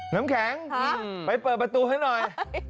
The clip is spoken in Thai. น้ำแข็งไปเปิดประตูให้หน่อย